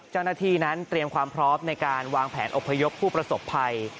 เจ้าหน้าที่นั้นเตรียมความพร้อมในการวางแผนอบพยพผู้ประสบภัย